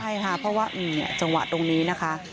ใช่ค่ะเพราะว่าจังหวะตรงนี้นะคะ